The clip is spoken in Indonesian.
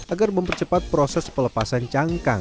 agar mempercepat proses pelepasan cangkang